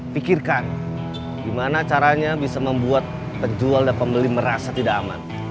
pikirkan gimana caranya bisa membuat penjual dan pembeli merasa tidak aman